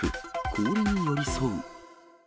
氷に寄り添う。